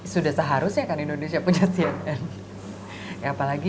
sudah seharusnya kan indonesia punya cnn